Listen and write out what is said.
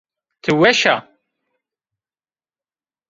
Ti weş a?